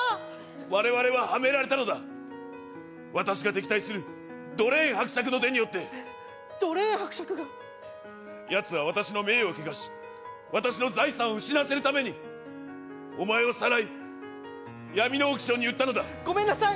我々ははめられたのだ私が敵対するドレーン伯爵の手によってドレーン伯爵がヤツは私の名誉を汚し私の財産を失わせるためにお前をさらい闇のオークションに売ったのだゴメンなさい